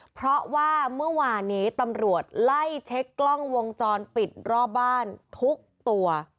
เพราะว่าเมื่อวานนี้ตำรวจไล่เช็คกล้องวงจรปิดรอบบ้านทุกตัว